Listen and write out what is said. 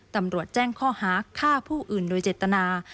ตำรวจแจ้งข้อหาฆ่าผู้อื่นโดยเจตนา